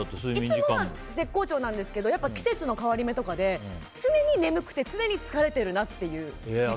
いつもは絶好調なんですけど季節の変わり目とかで常に眠くて、常に疲れてるなっていう自覚が。